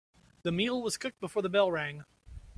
The meal was cooked before the bell rang.